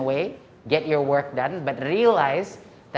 lakukan kerja anda tapi percaya bahwa